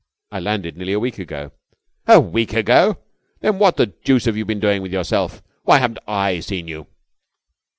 "I landed nearly a week ago." "A week ago! Then what the deuce have you been doing with yourself? Why haven't I seen you?"